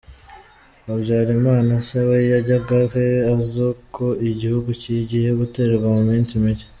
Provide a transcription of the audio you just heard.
Habyarimana se we yajyaga he azo ko igihugu kigiye guterwa mu minsi mike ?